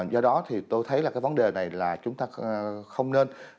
do đó thì tôi thấy là cái vấn đề này là chúng ta không nên